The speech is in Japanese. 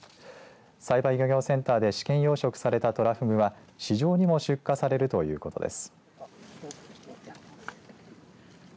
栽培漁業センターで試験養殖されたトラフグは市場にも出荷されるということです。